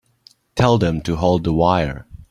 Tell them to hold the wire.